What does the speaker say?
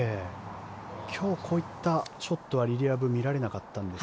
今日こういったショットはリリア・ブ見られなかったんですが。